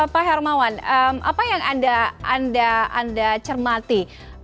pak hermawan apa yang anda cermati